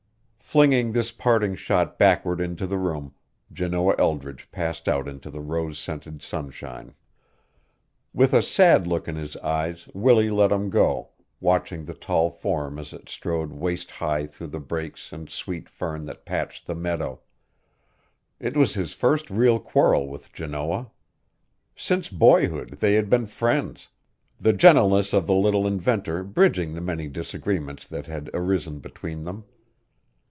Flinging this parting shot backward into the room, Janoah Eldridge passed out into the rose scented sunshine. With a sad look in his eyes Willie let him go, watching the tall form as it strode waist high through the brakes and sweet fern that patched the meadow. It was his first real quarrel with Janoah. Since boyhood they had been friends, the gentleness of the little inventor bridging the many disagreements that had arisen between them.